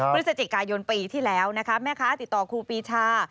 พฤศจิกายนปีที่แล้วนะคะแม่ค้าติดต่อครูปีชา